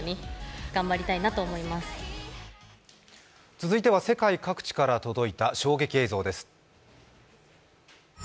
続いては世界各地から届いた衝撃映像です。